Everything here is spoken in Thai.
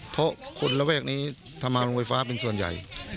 เพราะคนระแวกนี้ทำงานโรงไฟฟ้าเป็นส่วนใหญ่